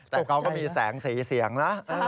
แต่เขาก็มีแสงสีเสียงนะ